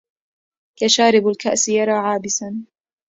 كشَارِب الكَأسِ يُرَى عابِساً